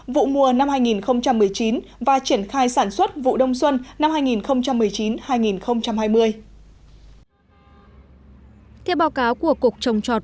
vụ mùa năm hai nghìn một mươi chín và triển khai sản xuất vụ đông xuân năm hai nghìn một mươi chín hai nghìn hai mươi